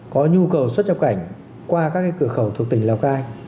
có nhu cầu xuất nhập cảnh qua các cửa khẩu thuộc tỉnh lào cai